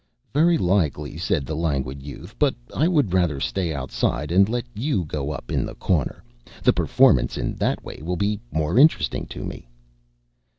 "Very likely," said the Languid Youth; "but I would rather stay outside and let you go up in the corner. The performance in that way will be more interesting to me."